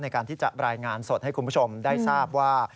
ในการที่จะรายงานสดให้คุณผู้ชมได้ทราบว่า